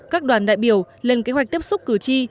các đoàn đại biểu lên kế hoạch tiếp xúc cử tri